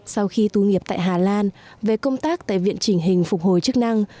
sau khi tu nghiệp tại hà lan về công tác tại viện chỉnh hình phục hồi chức năng